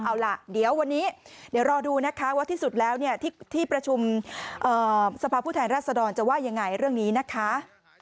เอาล่ะเดี๋ยววันนี้เดี๋ยวรอดูนะคะว่าที่สุดแล้วเนี่ยที่ประชุมสภาพผู้แทนรัศดรจะว่ายังไงเรื่องนี้นะคะ